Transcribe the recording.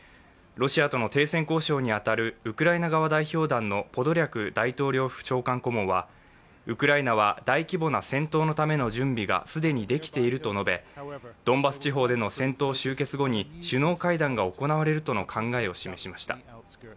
ロシアとの停戦交渉に当たるウクライナ側代表団のポドリャク大統領府長官顧問はウクライナは大規模な戦闘のための準備が既にできていると述べ、ドンバス地方での戦闘終結後に首脳会談が行われるとの考えを示しました。